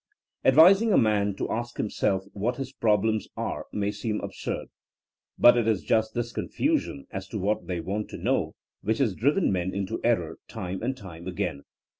Advising a man to ask himself what his prob lems are may seem absurd. But it is just this confusion as to what they want to know which has driven men into error time and time again.